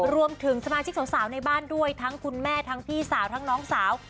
รวมถึงสมาชิกสาวในบ้านด้วยทั้งคุณแม่ทั้งพี่สาวทั้งน้องสาว